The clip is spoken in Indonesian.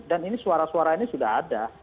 dan suara suara ini sudah ada